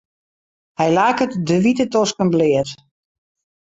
Hy laket de wite tosken bleat.